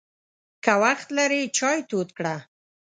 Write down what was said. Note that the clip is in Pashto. که وخت لرې، چای تود کړه!